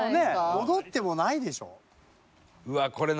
戻ってもないでしょ。